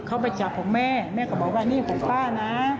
เขาไปจับผมแม่แม่ก็บอกว่านี่ผมป้านะ